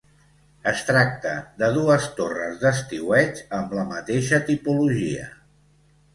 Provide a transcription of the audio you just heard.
Es tracta de dues torres d'estiueig amb la mateixa tipologia.